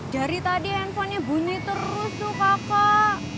dari tadi handphonenya bunyi terus tuh kakak